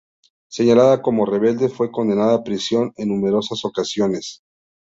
Señalada como rebelde, fue condenada a prisión en numerosas ocasiones.